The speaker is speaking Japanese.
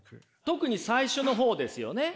特に最初の方ですよね。